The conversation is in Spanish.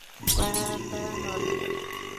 Panda norte.